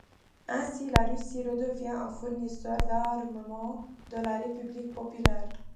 Ainsi, la Russie redevient un fournisseur d'armements de la République populaire.